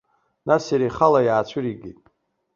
Нас иара ихала иаацәыригеит.